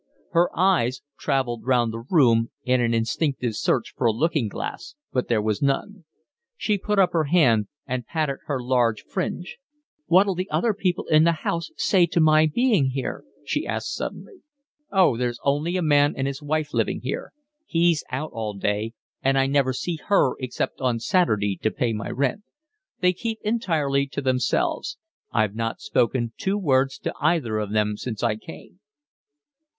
Her eyes travelled round the room in an instinctive search for a looking glass, but there was none; she put up her hand and patted her large fringe. "What'll the other people in the house say to my being here?" she asked suddenly. "Oh, there's only a man and his wife living here. He's out all day, and I never see her except on Saturday to pay my rent. They keep entirely to themselves. I've not spoken two words to either of them since I came."